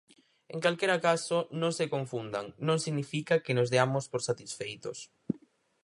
En calquera caso, non se confundan, non significa que nos deamos por satisfeitos.